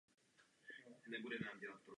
Děkuji za vaši poznámku.